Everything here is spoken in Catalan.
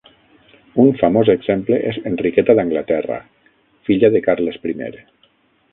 Un famós exemple és Enriqueta d'Anglaterra, filla de Carles I.